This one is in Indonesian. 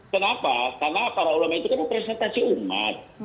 kenapa karena para ulama itu kan representasi umat